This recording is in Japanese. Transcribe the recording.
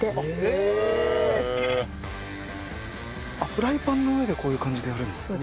フライパンの上でこういう感じでやるんですね。